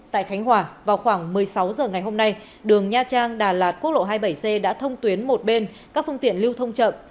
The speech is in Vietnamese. tại khánh hòa vào khoảng một mươi sáu h ngày hôm nay đường nha trang đà lạt quốc lộ hai mươi bảy c đã thông tuyến một bên các phương tiện lưu thông chậm